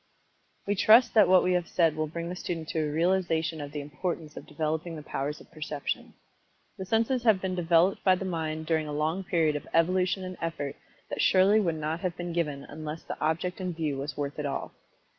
We trust that what we have said will bring the student to a realization of the importance of developing the powers of Perception. The senses have been developed by the mind during a long period of evolution and effort that surely would not have been given unless the object in view was worth it all.